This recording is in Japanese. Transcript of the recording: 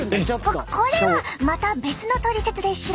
ここれはまた別のトリセツで調べようかな！